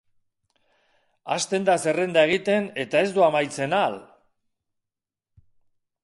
Hasten da zerrenda egiten, eta ez du amaitzen ahal!